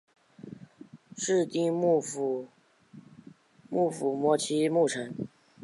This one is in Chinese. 室町幕府末期幕臣。